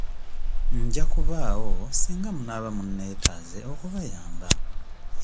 Nja kubaawo singa munaaba munneetaaze okubayamba.